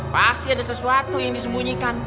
pasti ada sesuatu yang disembunyikan